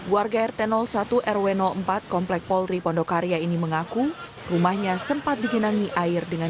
warga rt satu rw empat komplek polri pondokarya ini mengaku rumahnya sempat digenangi air dengan